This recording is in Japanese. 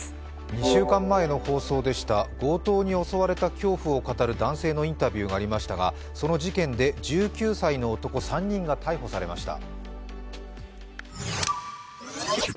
２週間前の放送でした強盗に襲われた恐怖を語る男性のインタビューがありましたが、その事件で１９歳の男３人が逮捕されました。